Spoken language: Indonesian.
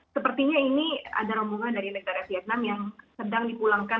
sepertinya ini ada rombongan dari negara vietnam yang sedang dipulangkan